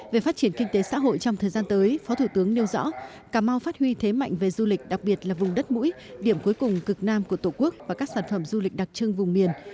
về phát triển kinh tế xã hội trong thời gian tới phó thủ tướng nêu rõ cà mau phát huy thế mạnh về du lịch đặc biệt là vùng đất mũi điểm cuối cùng cực nam của tổ quốc và các sản phẩm du lịch đặc trưng vùng miền